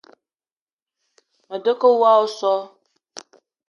Me ta ke woko oso.